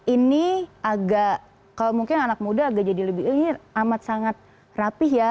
ini agak kalau mungkin anak muda agak jadi lebih ini amat sangat rapih ya